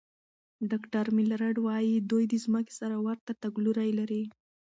ډاکټر میلرډ وايي، دوی د ځمکې سره ورته تګلوري لري.